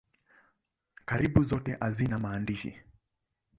Karibu zote hazina maandishi.